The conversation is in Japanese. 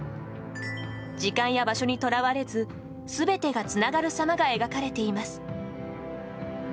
時間や場所に捉われず全てがつながるさまが描かれています。